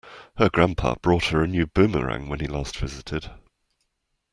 Her grandpa bought her a new boomerang when he last visited.